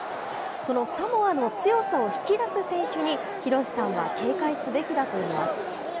そのサモアの強さを引き出す選手に、廣瀬さんは警戒すべきだといいます。